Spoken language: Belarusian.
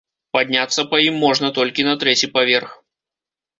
Падняцца па ім можна толькі на трэці паверх.